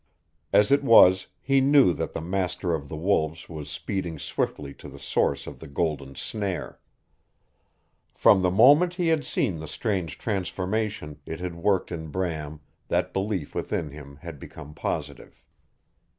As it was, he knew that the master of the wolves was speeding swiftly to the source of the golden snare. From the moment he had seen the strange transformation it had worked in Bram that belief within him had become positive.